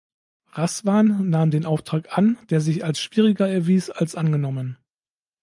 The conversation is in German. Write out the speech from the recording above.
Raswan nahm den Auftrag an, der sich als schwieriger erwies als angenommen.